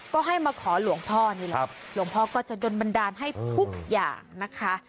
ก็ให้มาขอหลวงพ่อนี่แหละหลวงพ่อก็จะโดนบันดาลให้ทุกอย่างนะคะ